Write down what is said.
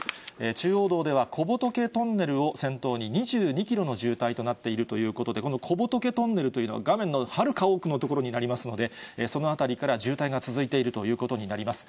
中央道では小仏トンネルを先頭に２２キロの渋滞となっているということで、この小仏トンネルというのは、画面のはるか奥の所になりますので、その辺りから渋滞が続いているということになります。